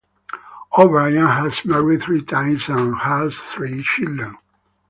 O'Brien has married three times and has three children.